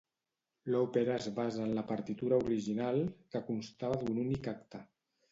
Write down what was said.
L'òpera es basa en la partitura original, que constava d'un únic acte.